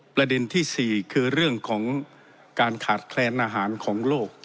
ประเด็นที่๔คือเรื่องของการขาดแคลนอาหารของโลก